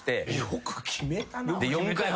よく決めたな。